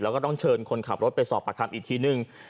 แล้วก็ต้องเชิญคนขับรถไปสอบประคำอีกทีนึง